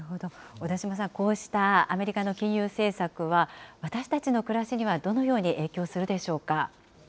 小田島さん、こうしたアメリカの金融政策は私たちの暮らしにはどのように影響